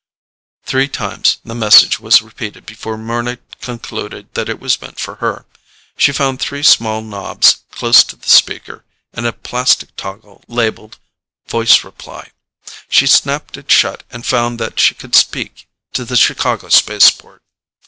Three times the message was repeated before Mryna concluded that it was meant for her. She found three small knobs close to the speaker and a plastic toggle labeled "voice reply." She snapped it shut and found that she could speak to the Chicago spaceport.